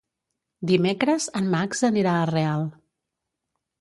Dimecres en Max anirà a Real.